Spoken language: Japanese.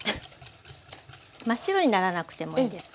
真っ白にならなくてもいいです。